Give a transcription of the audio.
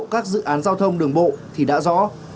các dự án giao thông đường bộ thì đã rõ